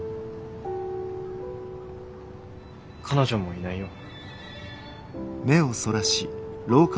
彼女もいないよ。